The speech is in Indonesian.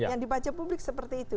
yang dibaca publik seperti itu